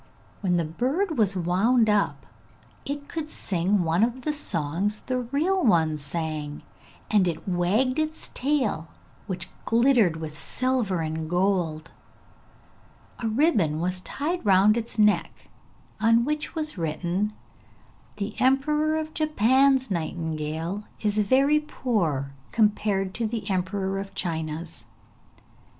When the bird was wound up it could sing one of the songs the real one sang, and it wagged its tail, which glittered with silver and gold. A ribbon was tied round its neck on which was written, 'The Emperor of Japan's nightingale is very poor compared to the Emperor of China's.'